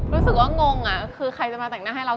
รู้สึกว่างงคือใครจะมาแต่งหน้าให้เรา